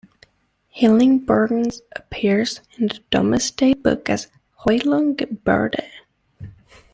Hollingbourne appears in the Domesday Book as "Hoilingeborde".